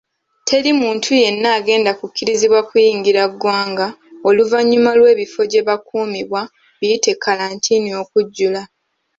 Teri muntu yenna agenda kukkirizibwa kuyingira ggwanga oluvannyuma lw'ebifo gyebakuumibwa biyite kalantiini okujjula.